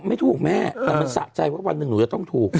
ไม่ถูกแม่แต่มันสะใจว่าวันหนึ่งหนูจะต้องถูก